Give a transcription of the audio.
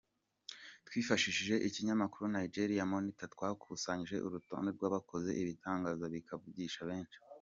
Twifashishije ikinyamakuru Nigerian Monitor, twakusanyije urutonde rw’abakoze ibitangaza bikavugisha benshi.